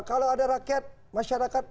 kalau ada rakyat masyarakat